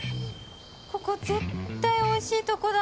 ここ絶対おいしいとこだ